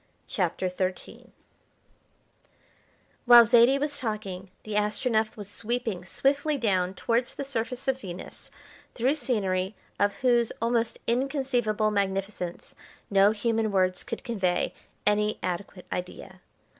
CHAPTER XIII While Zaidie was talking the Astronef was sweeping swiftly down towards the surface of Venus, through scenery of whose almost inconceivable magnificence no human words could convey any adequate idea.